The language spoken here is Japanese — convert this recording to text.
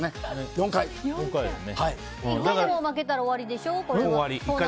１回でも負けたら終わりでしょ。